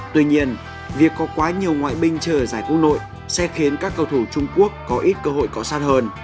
tuy nhiên việc có quá nhiều ngoại binh chờ giải quốc nội sẽ khiến các cầu thủ trung quốc có ít cơ hội có sát hơn